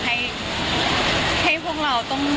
ให้พวกเราต้อง